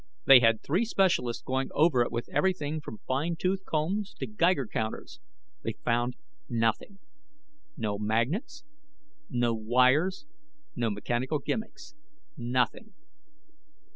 They had three specialists going over it with everything from fine tooth combs to Geiger counters. They found nothing. No magnets, no wires, no mechanical gimmicks. Nothing.